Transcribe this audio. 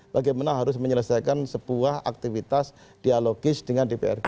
bagaimana harus menyelesaikan sebuah aktivitas dialogis dengan dprd